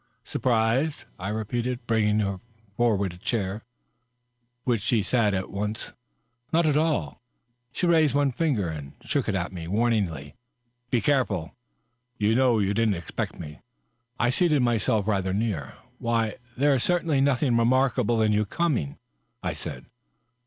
"Surprised?" I repeated, bringing forward a seat, which she at once took. " No, not at all." She raised one finger and shook it at me, wamingly. " Be careful. You know you didn't expect me." I seated myself rather near her. " Why, there is certainly nothing remarkable in your coming," I said.